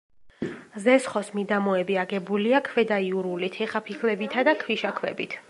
ზესხოს მიდამოები აგებულია ქვედაიურული თიხაფიქლებითა და ქვიშაქვებით.